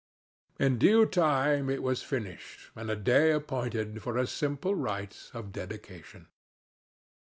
In due time it was finished and a day appointed for a simple rite of dedication.